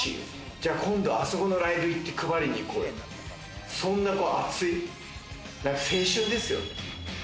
じゃあここで、あそこのライブで配りに行こうよって、そんな熱い、青春ですよね。